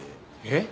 えっ！？